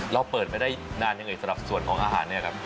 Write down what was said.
เราเปิดมาได้นานยังไงสำหรับส่วนของอาหารเนี่ยครับ